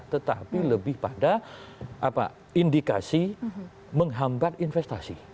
tetapi lebih pada indikasi menghambat investasi